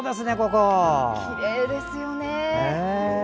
きれいですよね。